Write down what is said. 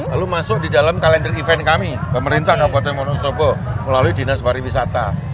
lalu masuk di dalam kalender event kami pemerintah kabupaten monosobo melalui dinas pariwisata